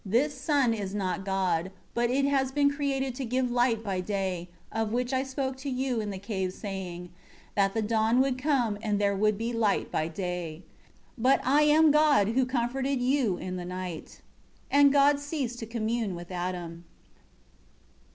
This sun is not God; but it has been created to give light by day, of which I spoke to you in the cave saying, 'that the dawn would come, and there would be light by day.' 12 But I am God who comforted you in the night." 13 And God ceased to commune with Adam.